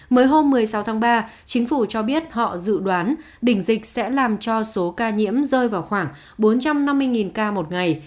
mới hôm một mươi sáu tháng ba chính phủ cho biết họ dự đoán đỉnh dịch sẽ làm cho số ca nhiễm rơi vào khoảng bốn trăm năm mươi ca một ngày